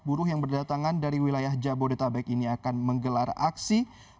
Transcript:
buruh yang berdatangan dari wilayah jabodetabek ini akan menggelar aksi